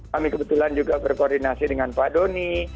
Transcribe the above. kami kebetulan juga berkoordinasi dengan pak doni